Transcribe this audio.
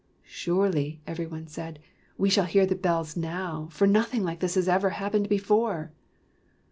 " Surely,". every one said, " we shall hear the bells now, for nothing like this has ever happened before."